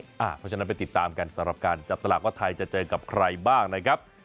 เพราะฉะนั้นไปติดตามกันสำหรับการจับสลากว่าไทยจะเจอกับใครบ้างนะครับ